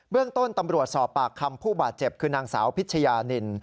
เรื่องต้นตำรวจสอบปากคำผู้บาดเจ็บคือนางสาวพิชยานิน